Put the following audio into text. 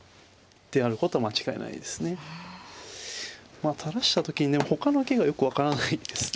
まあ垂らした時にでもほかの受けがよく分からないですね。